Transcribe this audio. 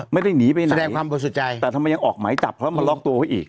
ไม่ได้หนีไปไหนแสดงความบ่สุดใจแต่ทำไมยังออกไหมจับเขาแล้วมาลอกตัวไว้อีก